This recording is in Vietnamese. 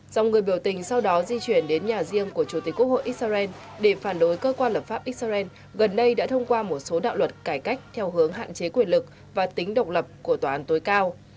dòng người biểu tình sau đó di chuyển đến nhà riêng của chủ tịch quốc hội israel để phản đối cơ quan lập pháp israel gần đây đã thông qua một số đạo luật cải cách theo hướng hạn chế quyền lực và tính độc lập của tòa án tối cao